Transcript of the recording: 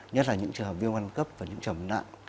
nhất là những trường hợp viêu văn cấp và những trầm nặng